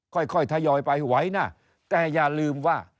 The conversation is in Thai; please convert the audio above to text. ค่อยทยอยไปไหวนะแต่อย่าลืมว่า